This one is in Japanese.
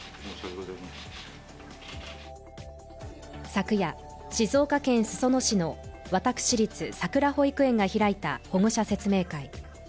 昨夜、静岡県裾野市の私立さくら保育園が開いた保護者説明会。